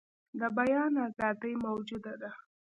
د بیان آزادي موجوده ده.